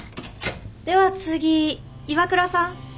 では次岩倉さん。